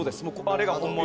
あれが本物。